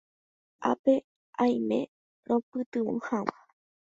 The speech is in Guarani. ápe aime roipytyvõ hag̃ua